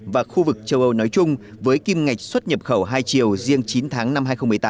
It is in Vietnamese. và khu vực châu âu nói chung với kim ngạch xuất nhập khẩu hai chiều riêng chín tháng năm hai nghìn một mươi tám